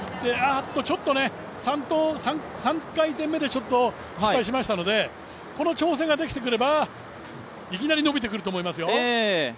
３回転目でちょっと失敗しましたので、この調整ができてくれば、いきなり伸びてくると思いますよ。